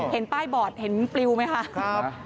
เห็นป้ายบอดเห็นปลิวไหมคะ